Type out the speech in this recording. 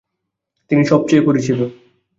তিনি সবচেয়ে পরিচিত।